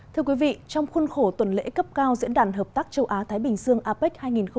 thưa quý vị trong khuôn khổ tuần lễ cấp cao diễn đàn hợp tác châu á thái bình dương apec hai nghìn hai mươi